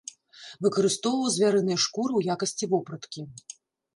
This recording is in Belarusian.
Выкарыстоўваў звярыныя шкуры ў якасці вопраткі.